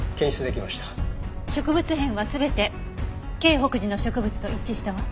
植物片は全て京北寺の植物と一致したわ。